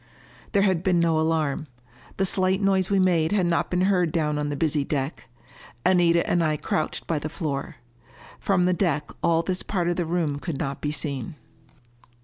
There had been no alarm. The slight noise we made had not been heard down on the busy deck. Anita and I crouched by the floor. From the deck all this part of the room could not be seen.